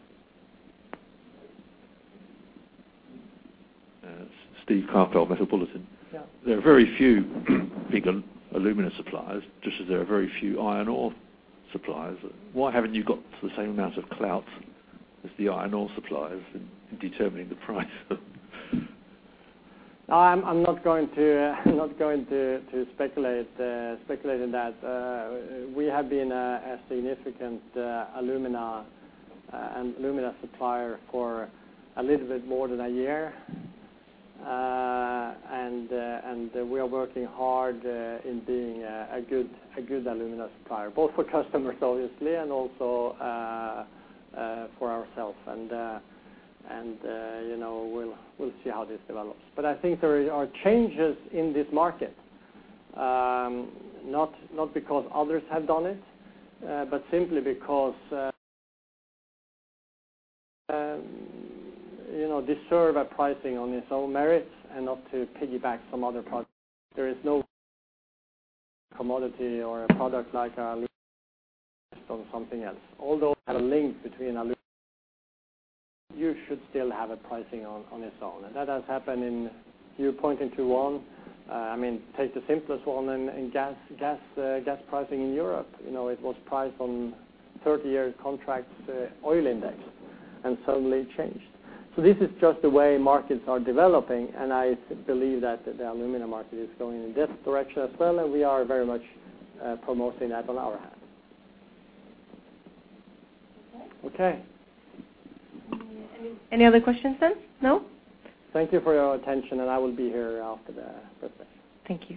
Steve Karpel, Metal Bulletin. Yeah. There are very few big alumina suppliers, just as there are very few iron ore suppliers. Why haven't you got the same amount of clout as the iron ore suppliers in determining the price? I'm not going to speculate in that. We have been a significant alumina supplier for a little bit more than a year. We are working hard in being a good alumina supplier, both for customers, obviously, and also for ourselves. You know, we'll see how this develops. I think there are changes in this market, not because others have done it, but simply because, you know, they set a pricing on its own merits and not to piggyback some other product. There is no commodity or a product like alumina based on something else. Although there's a link between alumina, you should still have a pricing on its own. You're pointing to one. I mean, take the simplest one in gas pricing in Europe. You know, it was priced on 30-year contracts, oil index, and suddenly it changed. This is just the way markets are developing, and I believe that the aluminum market is going in this direction as well, and we are very much promoting that on our end. Okay. Okay. Any other questions then? No. Thank you for your attention, and I will be here after the presentation. Thank you.